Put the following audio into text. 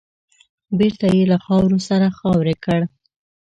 بېرته يې له خاورو سره خاورې کړ .